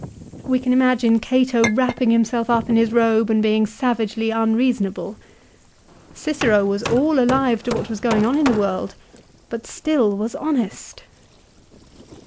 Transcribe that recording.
'We can imagine Cato wrapping himself up in his robe and being savagely un reasonable. Cicero was all alive to what was going on in the world, but still was honest